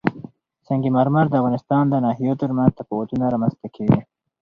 سنگ مرمر د افغانستان د ناحیو ترمنځ تفاوتونه رامنځ ته کوي.